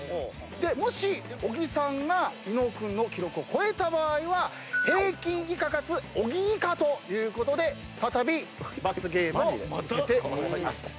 もし小木さんが伊野尾君の記録を超えた場合は平均以下かつ小木以下ということで再び罰ゲームを受けてもらいます。